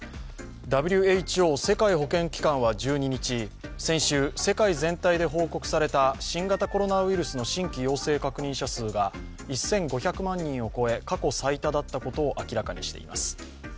ＷＨＯ＝世界保健機関は１２日、先週、世界全体で報告された新型コロナウイルスの新規陽性確認者数が１５００万人を超え過去最多だったことを明らかにしています。